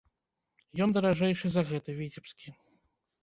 Ён даражэйшы за гэты, віцебскі.